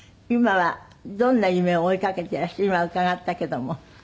今はどんな夢を追い掛けて今伺ったけども。